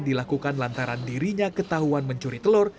dilakukan lantaran dirinya ketahuan mencuri telur